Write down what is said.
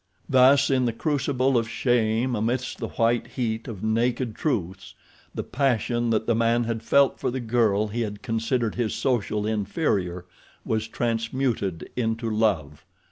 Thus, in the crucible of shame amidst the white heat of naked truths, the passion that the man had felt for the girl he had considered his social inferior was transmuted into love.